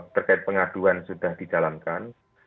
terkait pengaduan sudah dijalankan